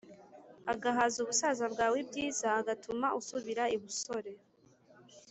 Agahaza ubusaza bwawe ibyiza agatuma usubira ibusore